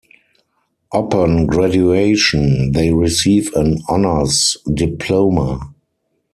Upon graduation, they receive an Honors diploma.